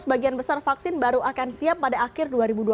sebagian besar vaksin baru akan siap pada akhir dua ribu dua puluh